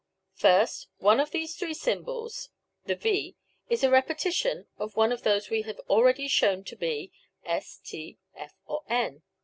First, one of these three symbols, the V, is a repetition of one of those we have already shown to be s, t, f, or n.